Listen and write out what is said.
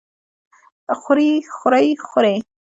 خوري خورۍ خورې؟